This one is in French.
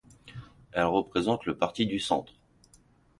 Elle représente le Parti du centre.